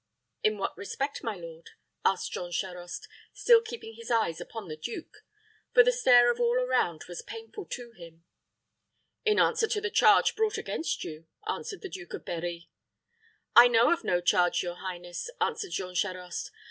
"In what respect, my lord?" asked Jean Charost, still keeping his eyes upon the duke; for the stare of all around was painful to him. "In answer to the charge brought against you," answered the Duke of Berri. "I know of no charge, your highness," answered Jean Charost.